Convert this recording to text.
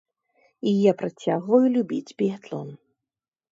І я працягваю любіць біятлон.